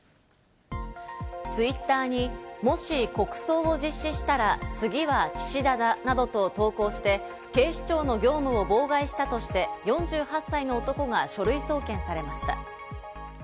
Ｔｗｉｔｔｅｒにもし国葬を実施したら、次は岸田だなどと投稿して警視庁の業務を妨害したとして４８歳の男が書類送検されました。